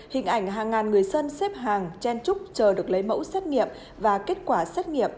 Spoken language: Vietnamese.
hình ảnh hàng ngàn người dân xếp hàng chen trúc chờ được lấy mẫu xét nghiệm và kết quả xét nghiệm